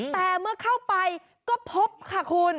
แต่เมื่อเข้าไปก็พบค่ะคุณ